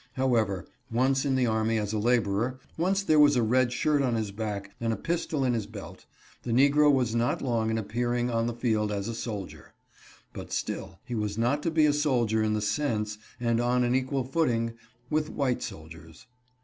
However, once in the army as a laborer, once there with a red shirt on his back and a pistol in his belt, the negro was not long in appear ing on the field as a soldier. But still, he was not to be a soldier in the sense, and on an equal footing, with white soldiers.